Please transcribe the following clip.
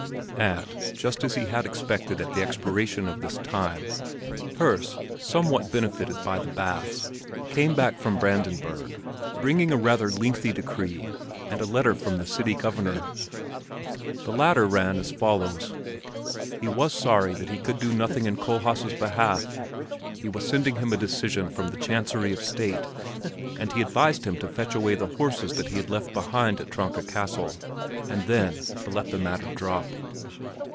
And, just as he had expected at the expiration of this time, Herse, somewhat benefited by the baths, came back from Brandenburg bringing a rather lengthy decree and a letter from the City Governor. The latter ran as follows: He was sorry that he could do nothing in Kohlhaas' behalf; he was sending him a decision from the Chancery of State and he advised him to fetch away the horses that he had left behind at the Tronka Castle, and then to let the matter drop.